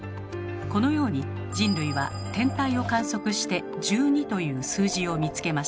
このように人類は天体を観測して「１２」という数字を見つけました。